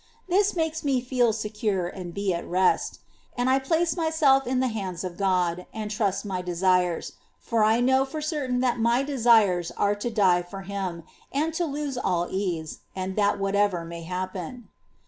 This makes me feel secure and be at rest ; and I place myself in the hands of Grod, and trust my desires ; for I know for cer tain that my desires are to die for Him, and to lose all ease, and that whatever may happen.